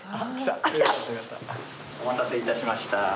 お待たせいたしました。